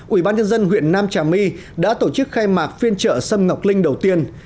ubnd huyện nam trà my đã tổ chức khai mạc phiên chợ sâm ngọc linh đầu tiên